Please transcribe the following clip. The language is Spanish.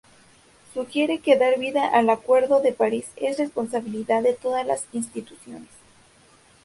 Sugiere que dar vida al acuerdo de París es responsabilidad de todas las instituciones.